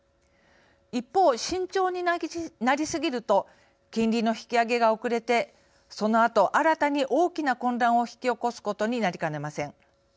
一方、慎重になりすぎると金利の引き上げが遅れてそのあと、新たに大きな混乱を引き起こすことになりかねません。